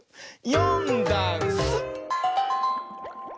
「よんだんす」